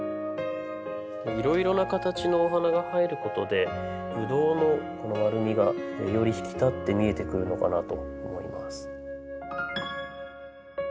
いろいろな形のお花が入ることでブドウのこの丸みがより引き立って見えてくるのかなと思います。